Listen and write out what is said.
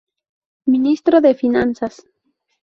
Ministro de Finanzas.